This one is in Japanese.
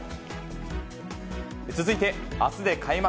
続いて、あすで開幕